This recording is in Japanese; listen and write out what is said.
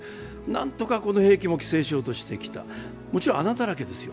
なんとかこの兵器を規制しようとしてきた、もちろん穴だらけですよ。